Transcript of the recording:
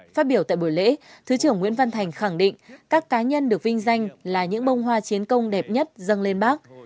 phát biểu tại buổi lễ thứ trưởng nguyễn văn thành khẳng định các cá nhân được vinh danh là những bông hoa chiến công đẹp nhất dâng lên bác